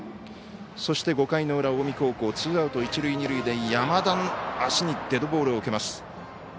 そして５回の裏、近江高校ツーアウト、一塁二塁で山田、足にデッドボールを受けます。